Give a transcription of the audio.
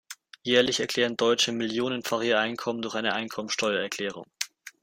Jährlich erklären Deutsche millionenfach ihr Einkommen durch eine Einkommensteuererklärung.